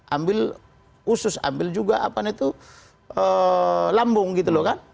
ambil usus ambil juga lambung gitu loh kan